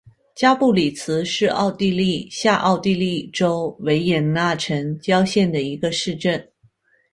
加布里茨是奥地利下奥地利州维也纳城郊县的一个市镇。